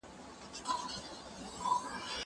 زه به سبا قلم استعمالوم کړم!!